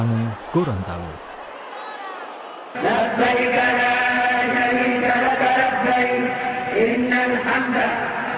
suasana haru dan tangis pun tak berbeda